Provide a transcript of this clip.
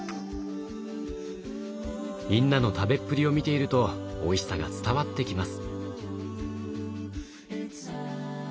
みんなの食べっぷりを見ているとおいしさが伝わってきます。